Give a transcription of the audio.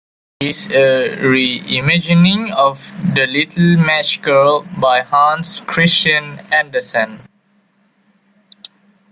It is a "reimagining" of "The Little Match Girl" by Hans Christian Andersen.